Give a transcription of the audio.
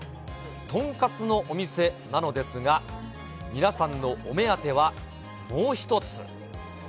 豚カツのお店なのですが、皆さんのお目当ては、もう一つ。